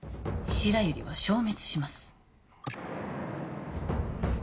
白百合は消滅します